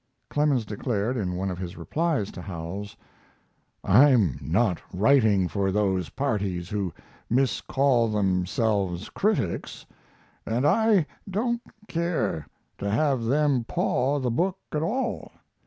Clemens declared, in one of his replies to Howells: I'm not writing for those parties who miscall themselves critics, and I don't care to have them paw the book at all.